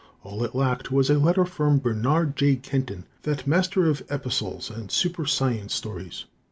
All it lacked was a letter from Bernard J. Kenton, that master of epistles and super science stories.